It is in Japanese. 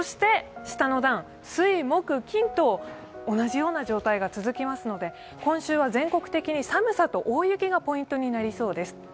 下の段、水、木、金と同じような状態が続きますので、今週は全国的に寒さと大雪がポイントになりそうです。